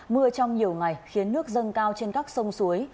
mưa trong nhiều ngày khiến nước dâng cao trên các sông suối